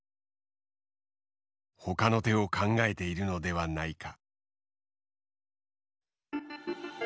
ほかの手を考えているのではないか。